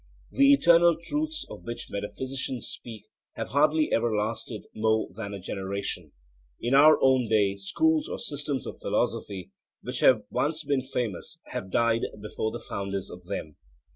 The 'eternal truths' of which metaphysicians speak have hardly ever lasted more than a generation. In our own day schools or systems of philosophy which have once been famous have died before the founders of them.